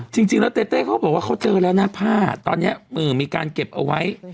จริงแล้วเต้เต้เขาบอกว่าเขาเจอแล้วนะผ้าตอนนี้มีการเก็บเอาไว้